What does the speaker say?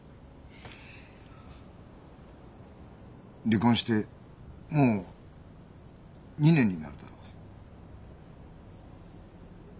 離婚してもう２年になるだろう。